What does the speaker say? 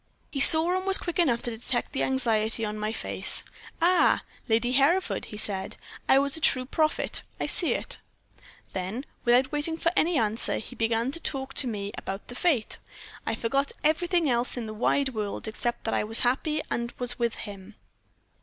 "He saw, and was quick enough to detect the anxiety on my face. "'Ah! Lady Hereford,' he said. 'I was a true prophet I see it.' "Then, without waiting for any answer, he began to talk to me about the fete. I forgot everything else in the wide, world except that I was happy and was with him.